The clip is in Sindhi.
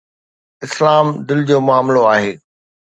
اسلام دل جو معاملو آهي.